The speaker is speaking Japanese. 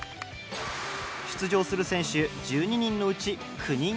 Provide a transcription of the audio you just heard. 出場する選手１２人のうち９人がアマチュア。